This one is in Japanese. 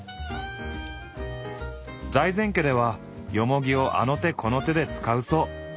財前家ではよもぎをあの手この手で使うそう。